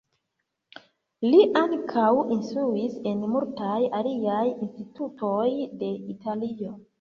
Li ankaŭ instruis en multaj aliaj institutoj de Italio.